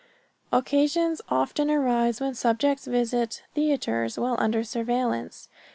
Occasions often arise when subjects visit theaters while under surveillance.